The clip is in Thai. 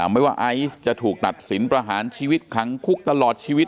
ไม่ว่าไอซ์จะถูกตัดสินประหารชีวิตขังคุกตลอดชีวิต